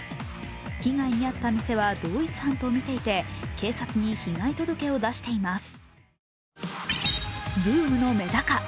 被害に遭った店は同一犯とみていて警察に被害届を出しています。